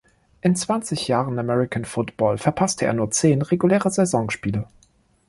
In zwanzig Jahren American Football verpasste er nur zehn reguläre Saisonspiele.